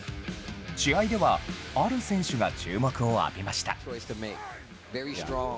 試合では、ある選手が注目を浴びました。